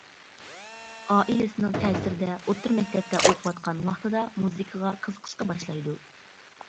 ئائىلىسىنىڭ تەسىرىدە ئوتتۇرا مەكتەپتە ئوقۇۋاتقان ۋاقتىدا مۇزىكىغا قىزىقىشقا باشلايدۇ.